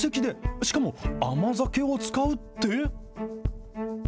しかも甘酒を使うって？